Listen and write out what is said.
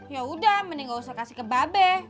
yaudah mending gausah kasih ke babe